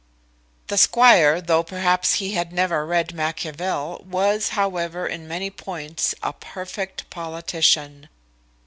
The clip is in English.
The squire, though perhaps he had never read Machiavel, was, however, in many points, a perfect politician.